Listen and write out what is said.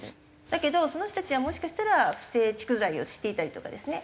だけどその人たちはもしかしたら不正蓄財をしていたりとかですね